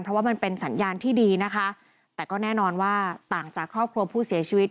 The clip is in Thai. เพราะว่ามันเป็นสัญญาณที่ดีนะคะแต่ก็แน่นอนว่าต่างจากครอบครัวผู้เสียชีวิต